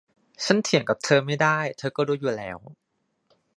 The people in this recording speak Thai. ฉันเถียงกับเธอไม่ได้ เธอก็รู้ดีอยู่แล้ว